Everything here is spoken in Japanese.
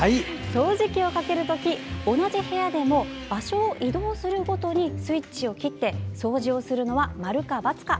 掃除機をかけるとき同じ部屋でも場所を移動するごとにスイッチを切って掃除をするのは〇か×か？